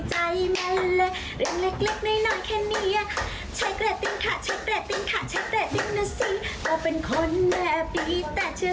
ยังเขาเหมือนเดิมเลยน่ะกับร้อยเหมือนเดิมคุณผู้ชมค่ะ